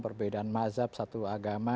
perbedaan mazhab satu agama